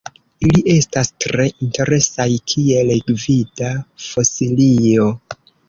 Ili estas tre interesaj kiel gvida fosilio.